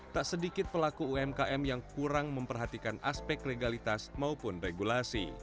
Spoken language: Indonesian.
tak sedikit pelaku umkm yang kurang memperhatikan aspek legalitas maupun regulasi